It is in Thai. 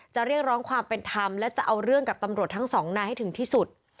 เรียกร้องความเป็นธรรมและจะเอาเรื่องกับตำรวจทั้งสองนายให้ถึงที่สุด